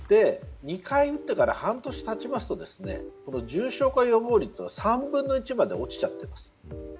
２回打ってから半年経ちますと重症化予防率は３分の１まで落ちちゃっているんです。